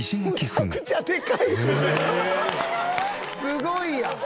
すごいやん。